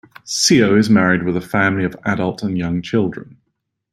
Sio is married with a family of adult and young children.